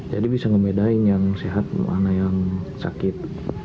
jadi bisa ngebedain yang sehat mana yang sakit